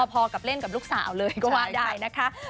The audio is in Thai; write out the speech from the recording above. พอกับเล่นกับลูกสาวเลยก็ว่าได้นะคะ